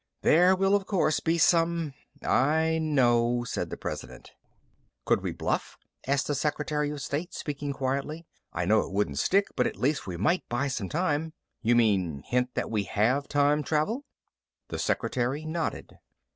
There will, of course, be some " "I know," said the President. "Could we bluff?" asked the secretary of state, speaking quietly. "I know it wouldn't stick, but at least we might buy some time." "You mean hint that we have time travel?" The secretary nodded.